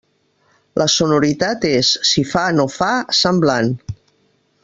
La sonoritat és, si fa no fa, semblant.